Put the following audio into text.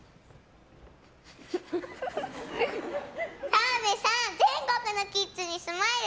澤部さん、全国のキッズにスマイル！